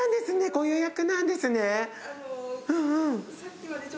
ご予約なんですね。